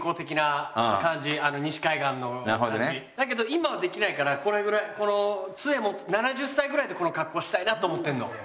だけど今はできないからこれぐらいこの杖持つ７０歳ぐらいでこの格好したいなと思ってるの。